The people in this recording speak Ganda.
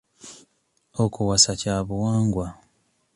Okuwasa kya buwangwa.